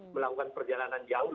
melakukan perjalanan jauh